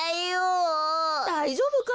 だいじょうぶか？